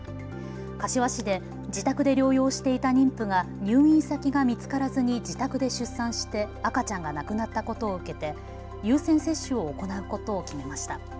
柏市で自宅で療養していた妊婦が入院先が見つからずに自宅で出産して、赤ちゃんが亡くなったことを受けて優先接種を行うことを決めました。